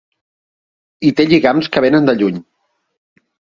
Hi té lligams que vénen de lluny.